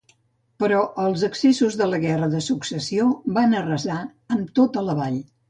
Però els excessos de la guerra de successió van arrasar amb tota la vall.